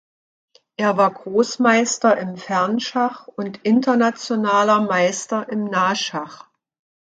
Er war Großmeister im Fernschach und Internationaler Meister im Nahschach.